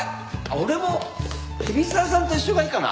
俺も海老沢さんと一緒がいいかな。